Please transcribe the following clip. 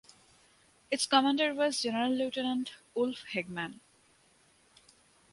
Its commander was Generalleutnant Wolf Hagemann.